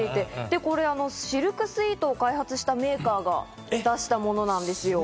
これシルクスイートを開発したメーカーが出したものなんですよ。